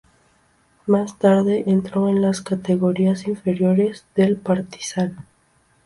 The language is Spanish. Más tarde entró en las categorías inferiores del Partizan.